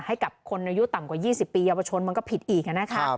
ให้กับคนอายุต่ำกว่า๒๐ปีมันก็ผิดผิดอีก